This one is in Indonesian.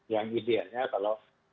yang idealnya kalau